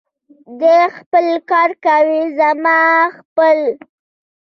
دی خپل کار کوي، زه خپل.